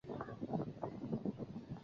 以区内有高桥镇得名。